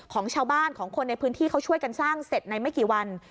ของชาวบ้านของคนในพื้นที่เขาช่วยกันสร้างเสร็จในไม่กี่วัน